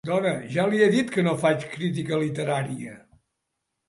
Dona, ja li he dit que jo no faig crítica literària.